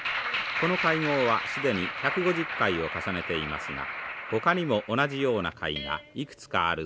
この会合は既に１５０回を重ねていますがほかにも同じような会がいくつかあるそうです。